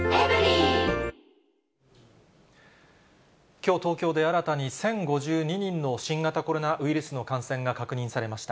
きょう、東京で新たに１０５２人の新型コロナウイルスの感染が確認されました。